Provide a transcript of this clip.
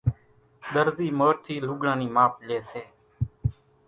ۮرزي مورِ ٿي لوڳڙان نِي ماپ لئي سي